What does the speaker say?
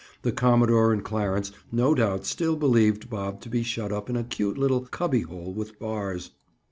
The commodore and Clarence no doubt still believed Bob to be shut up in a cute little cubby hole with bars.